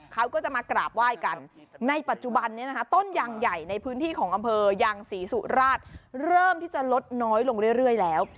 เขาก็จะมากราบไหว้กันในปัจจุบันนี้นะคะต้นยางใหญ่ในพื้นที่ของอำเภอยางศรีสุราชเริ่มที่จะลดน้อยลงเรื่อยแล้ว